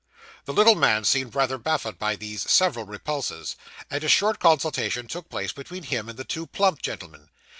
The little man seemed rather baffled by these several repulses, and a short consultation took place between him and the two plump gentlemen.